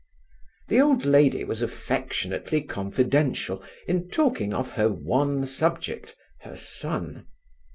The old lady was affectionately confidential in talking of her one subject, her son.